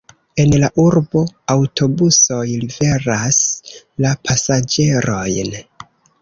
En la urbo aŭtobusoj liveras la pasaĝerojn.